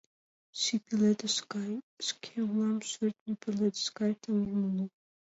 Ший пеледыш гай шке улам, шӧртньӧ пеледыш гай таҥем уло.